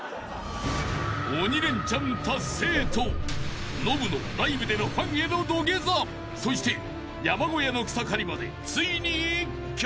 ［鬼レンチャン達成とノブのライブでのファンへの土下座そして山小屋の草刈りまでついに１曲］